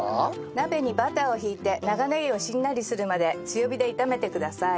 鍋にバターを引いて長ネギをしんなりするまで強火で炒めてください。